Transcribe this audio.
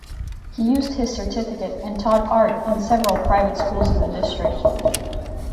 He used his certificate and taught art in several private schools in the district.